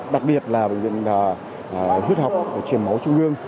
đặc biệt là bệnh viện huyết học truyền máu trung ương